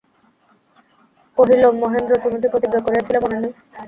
কহিল, মহেন্দ্র, তুমি কী প্রতিজ্ঞা করিয়াছিলে মনে নাই?